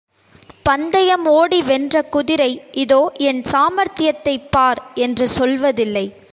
பந்தயம் ஓடி வென்ற குதிரை, இதோ என் சாமர்த்தியத்தைப் பார்! என்று சொல்வதில்லை.